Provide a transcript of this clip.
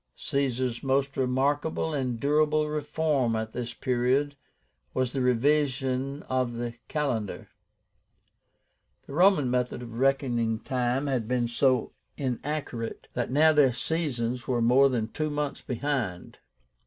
Caesar's most remarkable and durable reform at this period was the REVISION OF THE CALENDAR. The Roman method of reckoning time had been so inaccurate, that now their seasons were more than two months behind.